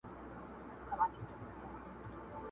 د خاوند یې نفس تنګ په واویلا وو،